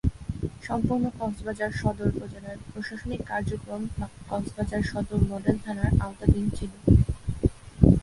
সম্পূর্ণ কক্সবাজার সদর উপজেলার প্রশাসনিক কার্যক্রম কক্সবাজার সদর মডেল থানার আওতাধীন ছিল।